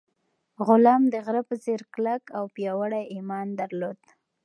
غلام د غره په څېر کلک او پیاوړی ایمان درلود.